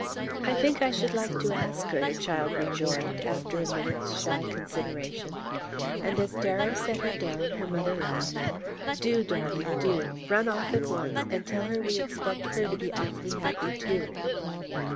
"I think I should like to ask her," the child rejoined, after a minute's shy consideration; and as Darrow set her down her mother laughed: "Do, darling, do! Run off at once, and tell her we expect her to be awfully happy too."